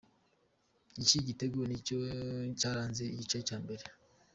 iki gitego nicyo cyaranze igice cya mbere.